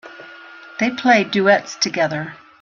They play duets together.